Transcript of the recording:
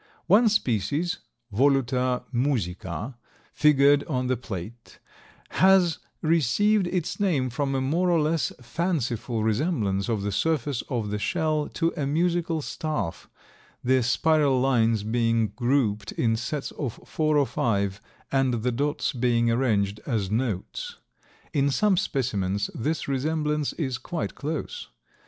One species (Voluta musica, figured on the plate), has received its name from a more or less fanciful resemblance of the surface of the shell to a musical staff, the spiral lines being grouped in sets of four or five and the dots being arranged as notes. In some specimens this resemblance is quite close.